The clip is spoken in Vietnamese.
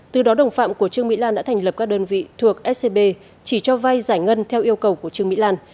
từ đó đồng phạm của trương mỹ lan đã thành lập các đơn vị thuộc scb chỉ cho vay giải ngân theo yêu cầu của trương mỹ lan